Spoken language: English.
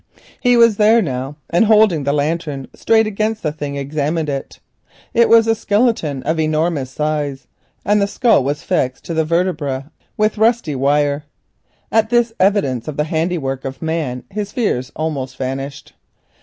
He was there now, and holding the lantern against the thing, examined it. It was a skeleton of enormous size, and the skull was fixed with rusty wire to one of the vertebrae. At this evidence of the handiwork of man his fears almost vanished.